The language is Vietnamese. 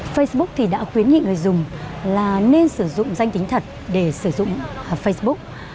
facebook thì đã khuyến nghị người dùng là nên sử dụng danh tính thật để sử dụng facebook